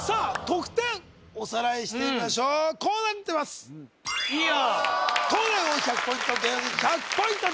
得点おさらいしてみましょうこうなってます東大王１００ポイント芸能人１００ポイント